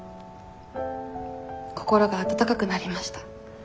心が温かくなりました。